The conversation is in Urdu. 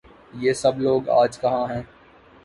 یہ سب لوگ آج کہاں ہیں؟